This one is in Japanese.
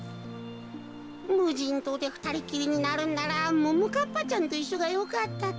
むじんとうでふたりっきりになるんならももかっぱちゃんといっしょがよかったか。